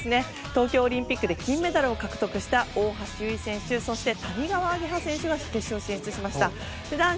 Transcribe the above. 東京オリンピックで金メダルを獲得した大橋悠依そして谷川亜華葉が決勝進出しました。